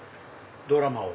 ドラマを。